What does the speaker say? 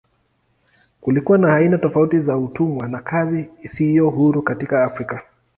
Kulikuwa na aina tofauti za utumwa na kazi isiyo huru katika Afrika.